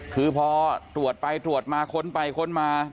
คือพอตรวจไปตรวจมาค้นไปค้นมา